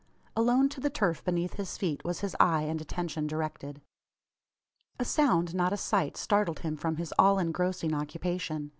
Alone to the turf beneath his feet was his eye and attention directed. A sound not a sight startled him from his all engrossing occupation.